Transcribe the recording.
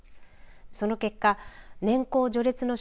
その結果、年功序列の